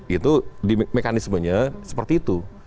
itu mekanismenya seperti itu